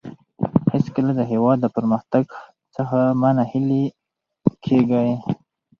هېڅکله د هېواد د پرمختګ څخه مه ناهیلي کېږئ.